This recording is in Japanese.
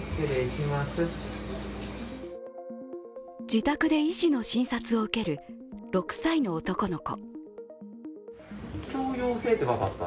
自宅で医師の診察を受ける６歳の男の子。